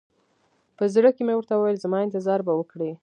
په زړه کښې مې ورته وويل زما انتظار به وکړې.